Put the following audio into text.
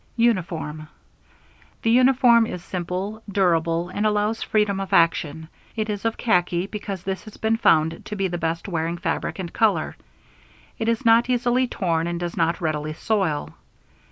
Uniform. The uniform is simple, durable, and allows freedom of action. It is of khaki because this has been found to be the best wearing fabric and color. It is not easily torn and does not readily soil.